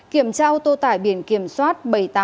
kiểm trao tô tải biển kiểm soát